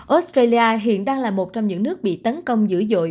australia hiện đang là một trong những nước bị tấn công dữ dội